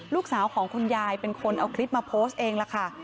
ลูกชายของคุณยายเป็นคนเอาคลิปมาโพสต์เองล่ะค่ะ